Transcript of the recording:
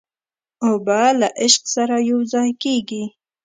اوبه له عشق سره یوځای کېږي.